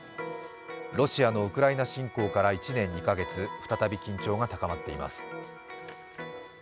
ロシアのウクライナ侵攻から１年２か月、再び、緊張が高まっています。